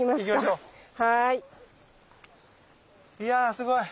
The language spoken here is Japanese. いやすごい！